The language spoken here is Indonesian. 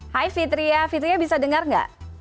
hai fitria fitria bisa dengar enggak